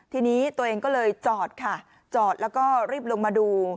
ทีนี้ตัวเองก็เลยจอดค่ะจอดแล้วก็รีบลงมาดู